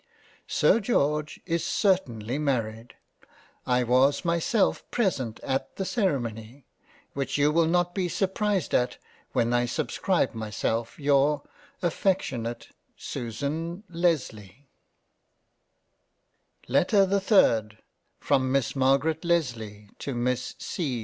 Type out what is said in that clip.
Sir George is certainly married ; I was myself present at the Ceremony, which you will not be surprised at when I sub scribe myself your Affectionate Susan Lesley LETTER the THIRD From Miss MARGARET LESLEY to Miss C.